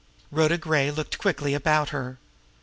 Rhoda Gray looked quickly about her.